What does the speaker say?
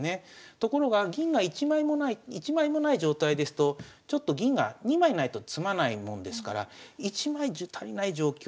ところが銀が１枚もない状態ですとちょっと銀が２枚ないと詰まないもんですから１枚じゃ足りない状況。